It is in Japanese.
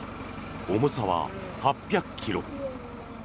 重さは８００ｋｇ。